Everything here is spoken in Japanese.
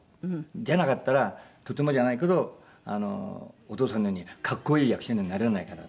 じゃなかったらとてもじゃないけどお父さんのように格好いい役者にはなれないから。